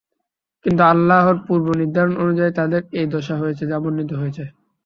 কিন্তু আল্লাহর পূর্ব নির্ধারণ অনুযায়ী তাদের এ দশা হয়েছে, যা বর্ণিত হয়েছে।